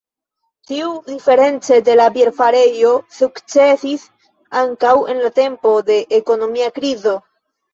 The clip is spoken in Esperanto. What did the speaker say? Tiu, diference de la bierfarejo, sukcesis ankaŭ en la tempo de ekonomia krizo.